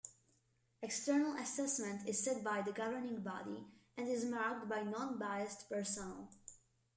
External assessment is set by the governing body, and is marked by non-biased personnel.